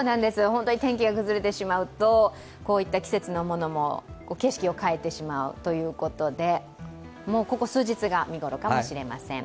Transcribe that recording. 本当に天気が崩れてしますとこういった季節のものも景色を変えてしまうということで、ここ数日が見ごろかもしれません。